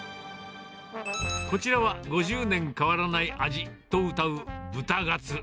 こちらは５０年変わらない味とうたう豚ガツ。